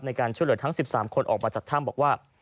ในการช่วยเหลือทั้ง๑๓คนออกมาจากถ้ำบอกว่า